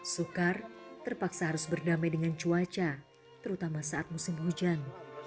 soekar terpaksa harus berdamai dengan cuaca terutama saat musim hujan